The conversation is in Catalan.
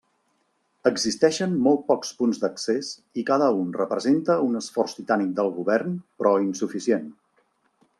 Existeixen molt pocs punts d'accés i cada un representa un esforç titànic del govern però insuficient.